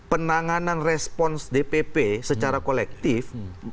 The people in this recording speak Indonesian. penanganan respons dpp secara kolektif